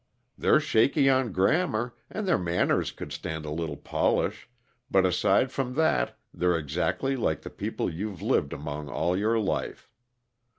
They're shaky on grammar, and their manners could stand a little polish, but aside from that they're exactly like the people you've lived among all your life.